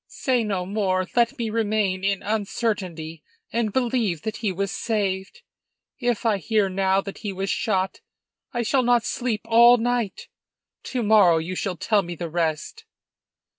"Say no more; let me remain in uncertainty and believe that he was saved. If I hear now that he was shot I shall not sleep all night. To morrow you shall tell me the rest."